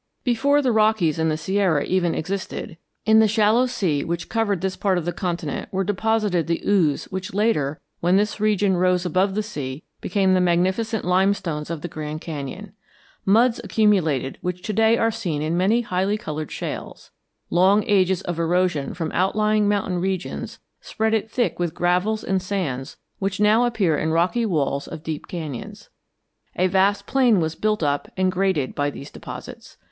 Before the Rockies and the Sierra even existed, in the shallow sea which covered this part of the continent were deposited the ooze which later, when this region rose above the sea, became the magnificent limestones of the Grand Canyon. Muds accumulated which to day are seen in many highly colored shales. Long ages of erosion from outlying mountain regions spread it thick with gravels and sands which now appear in rocky walls of deep canyons. A vast plain was built up and graded by these deposits.